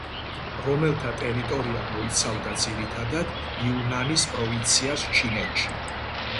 რომელთა ტერიტორია მოიცავდა ძირითადად, იუნანის პროვინციას ჩინეთში.